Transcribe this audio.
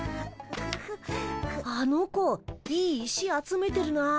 あの子いい石集めてるなあ。